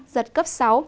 giật cấp sáu